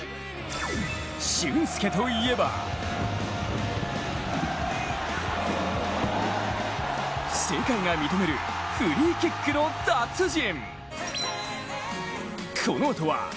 俊輔といえば世界が認めるフリーキックの達人。